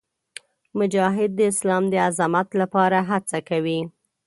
مجاهد د اسلام د عظمت لپاره هڅه کوي.